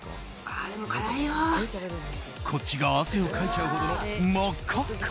こっちが汗をかいちゃうほどのまっかっか